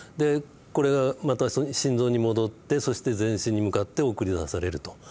これがまた心臓に戻ってそして全身に向かって送り出されると。